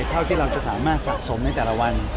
เท่าที่เราจะสามารถสะสมในแต่ละวัน